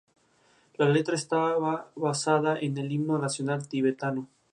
La letra estaba basada en el himno nacional tibetano.